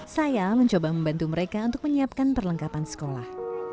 saya mencoba membantu mereka untuk menyiapkan perlengkapan sekolah